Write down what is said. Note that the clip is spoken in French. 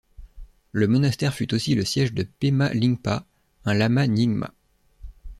Le monastère fut aussi le siège de Péma Lingpa, un lama nyingma.